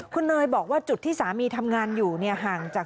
คุณเนยบอกว่าจุดที่สามีทำงานอยู่เนี่ยห่างจาก